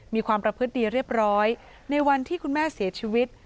มีความประพฤติดีเรียบร้อยในวันที่คุณแม่เสียชีวิต